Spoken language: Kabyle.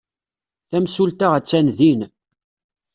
Tamsulta attan din.